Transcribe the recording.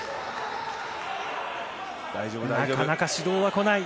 なかなか指導はこない。